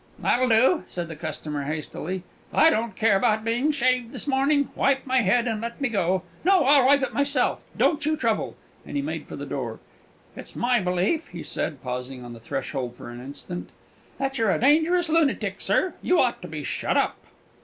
"That'll do!" said the customer, hastily. "I I don't care about being shaved this morning. Wipe my head, and let me go; no, I'll wipe it myself, don't you trouble!" and he made for the door. "It's my belief," he said, pausing on the threshold for an instant, "that you're a dangerous lunatic, sir; you ought to be shut up!"